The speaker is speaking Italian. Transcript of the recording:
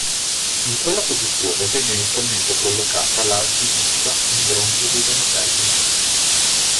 In quella posizione venne inizialmente collocata la "Giuditta" in bronzo di Donatello.